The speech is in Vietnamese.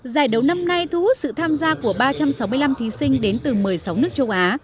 giải đấu năm nay thu hút sự tham gia của ba trăm sáu mươi năm thí sinh đến từ một mươi sáu nước châu á